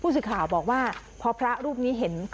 พูดสิทธิ์ข่าวบอกว่าพระต่อว่าชาวบ้านที่มายืนล้อมอยู่แบบนี้ค่ะ